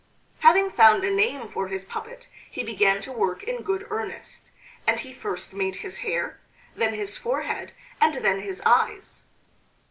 Having found a name for his puppet he began to work in good earnest, and he first made his hair, then his forehead and then his eyes.